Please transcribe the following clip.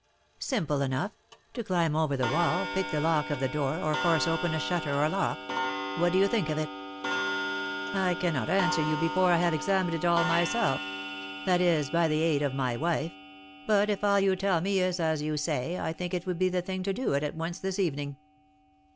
"Simple enough: to climb over the wall, pick the lock of the door, or force open a shutter or lock. What do you think of it?" "I cannot answer you before I have examined it all myself, that is, by the aid of my wife; but, if all you tell me is as you say, I think it would be the thing to do it at once this evening."